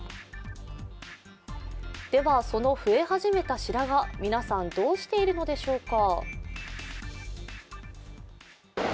では、その増え始めた白髪、皆さんどうしているのでしょうか。